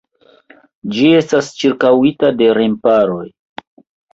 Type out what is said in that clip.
Ĝi estas ĉirkaŭita de remparoj.